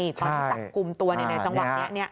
ตอนที่จับกลุ่มตัวในจังหวะนี้